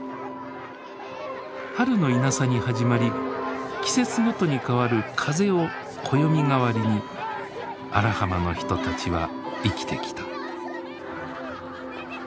春のイナサに始まり季節ごとに変わる風を暦代わりに荒浜の人たちは生きてきた。